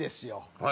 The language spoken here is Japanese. はい。